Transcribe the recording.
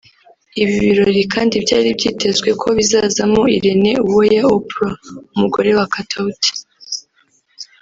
Ibi birori kandi byari byitezwe ko bizazamo Irene Uwoya Oprah [umugore wa Katauti]